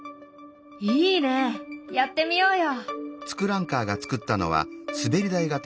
いいねやってみようよ。